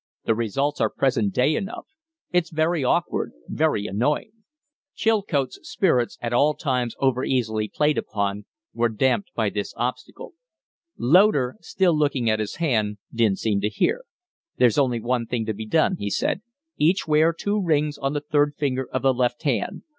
"The results are present day enough. It's very awkward! Very annoying!" Chilcote's spirits, at all times overeasily played upon, were damped by this obstacle. Loder, still looking at his hand, didn't seem to hear. "There's only one thing to be done," he said. "Each wear two rings on the third finger of the left hand.